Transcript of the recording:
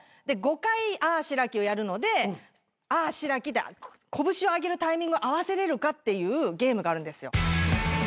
で５回あぁしらきをやるのであぁしらきって拳を上げるタイミングを合わせれるかっていうゲームがあるんですよ。